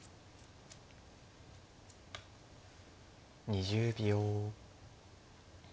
２０秒。